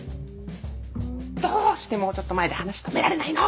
どうしてもうちょっと前で話止められないの？